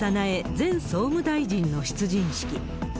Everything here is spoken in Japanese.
前総務大臣の出陣式。